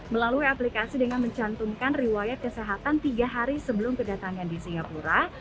melalui aplikasi dengan mencantumkan riwayat kesehatan tiga hari sebelum kedatangan di singapura